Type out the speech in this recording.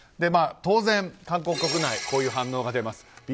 当然、韓国国内はこういう反応が出ます。